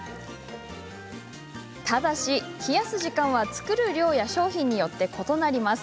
ただし冷やす時間は作る量や商品によって異なります。